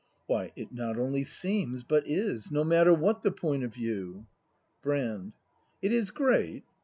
Why, It not only seems, but i s, No matter what the point of view. Brand. It is great?